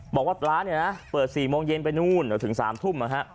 บอกว่าร้านเนี่ยนะเปิด๔โมงเย็นไปนู่นถึง๓ทุ่ม